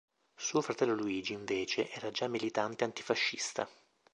Suo fratello Luigi, invece era già militante antifascista.